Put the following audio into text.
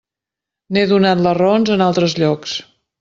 N'he donat les raons en altres llocs.